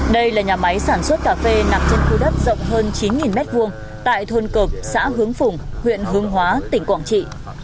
đây là nhà máy sản xuất cà phê nằm trên khu đất rộng hơn chín m hai tại thôn cợp xã hướng phùng huyện hương hóa tỉnh quảng trị